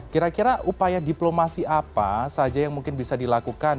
kira kira upaya diplomasi apa saja yang mungkin bisa dilakukan